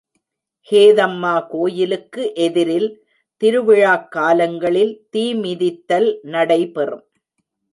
ஹேதம்மா கோயிலுக்கு எதிரில் திருவிழாக்காலங்களில் தீமிதித்தல் நடைபெறும்.